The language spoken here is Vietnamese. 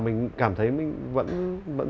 mình cảm thấy mình vẫn